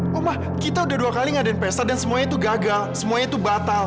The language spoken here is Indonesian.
rumah kita udah dua kali ngadain pesta dan semuanya itu gagal semuanya itu batal